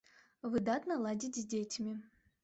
Выдатна ладзіць з дзецьмі.